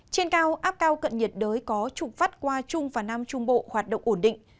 trên cao áp cao cận nhiệt đới có trục vắt qua trung và nam trung bộ hoạt động ổn định